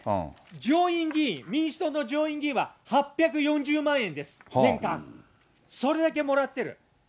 上院議員、民主党の上院議員は８４０万円です、年間、それだけもらってる。